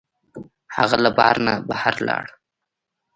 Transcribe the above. هغه له بار نه بهر لاړ.